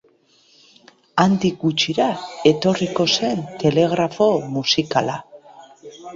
Handik gutxira etorriko zen telegrafo musikala.